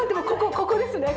ここっすね。